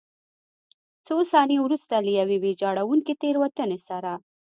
څو ثانیې وروسته له یوې ویجاړوونکې تېروتنې سره.